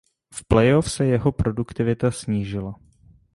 V playoff se jeho produktivita snížila.